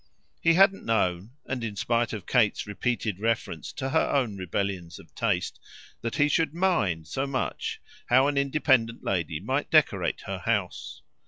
He hadn't known and in spite of Kate's repeated reference to her own rebellions of taste that he should "mind" so much how an independent lady might decorate her house.